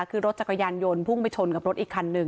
คือรถจักรยานยนต์พุ่งไปชนกับรถอีกคันหนึ่ง